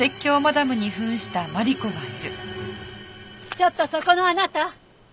ちょっとそこのあなた！